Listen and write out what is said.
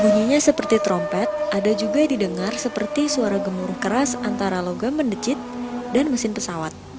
bunyinya seperti trompet ada juga yang didengar seperti suara gemuruh keras antara logam mendecit dan mesin pesawat